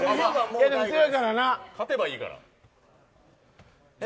勝てばいいから。